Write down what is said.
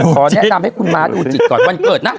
ขอแนะนำให้คุณม้าดูจิตก่อนวันเกิดนะ